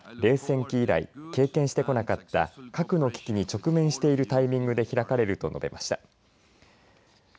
今回の会議は冷戦期以来経験してこなかった核の危機に直面しているタイミングで開かれると述べました。